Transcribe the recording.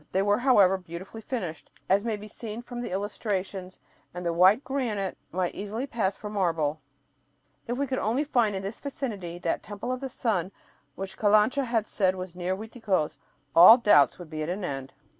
They were, however, beautifully finished, as may be seen from the illustrations, and the white granite might easily pass for marble. If only we could find in this vicinity that Temple of the Sun which Calancha said was "near" Uiticos, all doubts would be at an end.